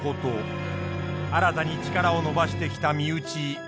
新たに力を伸ばしてきた身内藤原良相。